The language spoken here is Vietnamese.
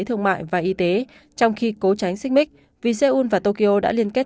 thương mại và y tế trong khi cố tránh xích mích vì seoul và tokyo đã liên kết